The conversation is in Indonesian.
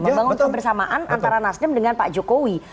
membangun kebersamaan antara nasdem dengan pak jokowi